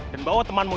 dan bawa temanmu